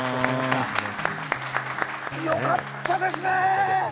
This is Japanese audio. よかったですね！